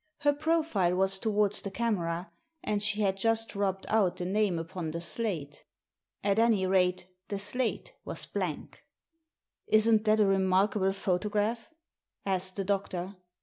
Her profile was towards the camera, and she had just rubbed out the name upon the slate. At any rate, the slate was blank. " Isn't that a remarkable photograph ?" asked the doctor.